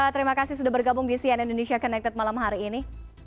terima kasih sudah bergabung di cn indonesia connected malam hari ini